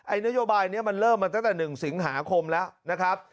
นโยบายนี้มันเริ่มมาตั้งแต่๑สิงหาคมแล้วนะครับ